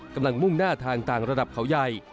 มุ่งหน้าทางต่างระดับเขาใหญ่